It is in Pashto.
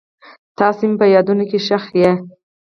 تاسو مې په یادونو کې ښخ یئ.